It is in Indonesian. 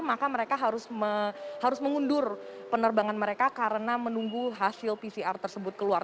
maka mereka harus mengundur penerbangan mereka karena menunggu hasil pcr tersebut keluar